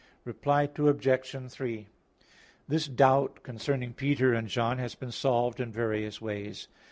Reply Obj. 3: This doubt concerning Peter and John has been solved in various ways.